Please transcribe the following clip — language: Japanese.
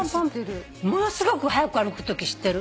ものすごく速く歩くとき知ってる？